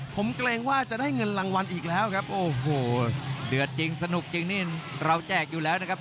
ผมเกรงว่าจะได้เงินรางวัลอีกแล้วครับโอ้โหเดือดจริงสนุกจริงนี่เราแจกอยู่แล้วนะครับ